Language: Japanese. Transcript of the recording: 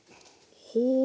ほう。